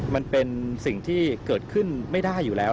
มันเป็นสิ่งที่เกิดขึ้นไม่ได้อยู่แล้ว